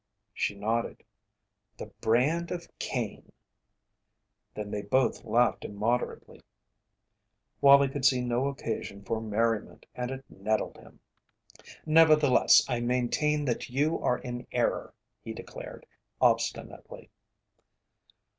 She nodded: "The brand of Cain." Then they both laughed immoderately. Wallie could see no occasion for merriment and it nettled him. "Nevertheless, I maintain that you are in error," he declared, obstinately.